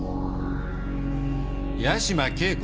八島景子？